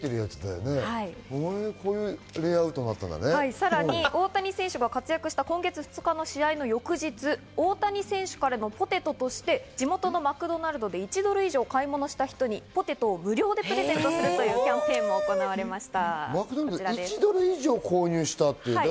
さらに大谷選手が活躍した今月２日の試合の翌日、大谷選手からのポテトとして地元のマクドナルドで１ドル以上買い物した人にポテトを無料でプレゼントするというキャンペーンが行われました。